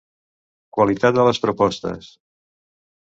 Qualitat de les propostes.